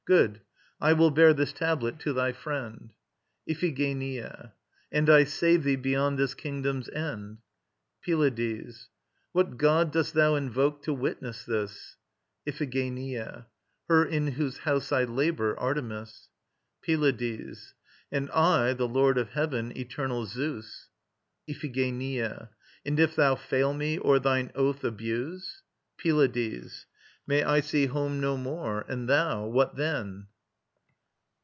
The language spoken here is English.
Good. I will bear this tablet to thy friend. IPHIGENIA. And I save thee beyond this kingdom's end. PYLADES. What god dost thou invoke to witness this? IPHIGENIA. Her in whose house I labour, Artemis. PYLADES. And I the Lord of Heaven, eternal Zeus. IPHIGENIA. And if thou fail me, or thine oath abuse ...? PYLADES. May I see home no more. And thou, what then?